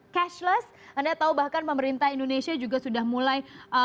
cashless anda tahu bahkan pemerintah indonesia juga sudah mulai